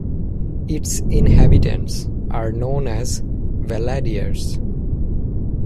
Its inhabitants are known as "Valladiers".